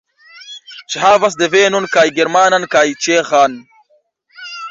Ŝi havas devenon kaj germanan kaj ĉeĥan.